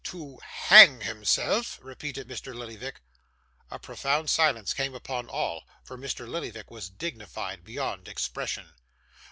'To hang himself!' repeated Mr. Lillyvick. A profound silence came upon all, for Mr. Lillyvick was dignified beyond expression.